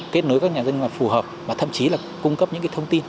kết nối với các nhà doanh nghiệp phù hợp và thậm chí là cung cấp những cái thông tin